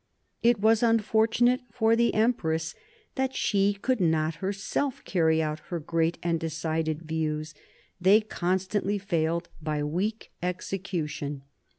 It was unfortunate for the empress that she could not herself carry out her great and decided views ; they j constantly failed by weak execution.